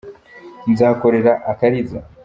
Nzakorera akariza